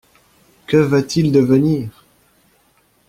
Que va-t-il devenir?